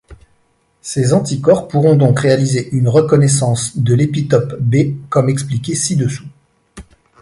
Ces anticorps pourront donc réaliser une reconnaissance de l'épitope B comme expliqué ci-dessous.